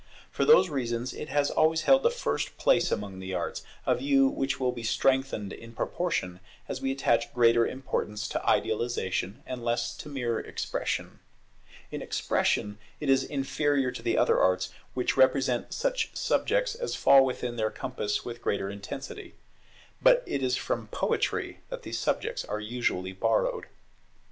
For these reasons it has always held the first place among the arts; a view which will be strengthened in proportion as we attach greater importance to idealization and less to mere expression. In expression it is inferior to the other arts, which represent such subjects as fall within their compass with greater intensity. But it is from Poetry that these subjects are usually borrowed.